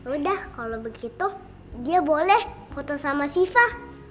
udah kalau begitu dia boleh foto sama siva